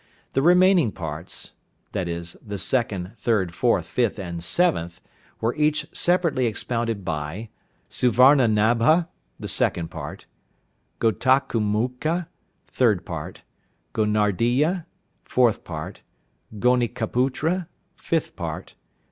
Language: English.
The remaining parts, viz., the second, third, fourth, fifth, and seventh were each separately expounded by Suvarnanabha (second part). Ghotakamukha (third part). Gonardiya (fourth part). Gonikaputra (fifth part).